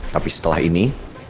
tapi setelah ini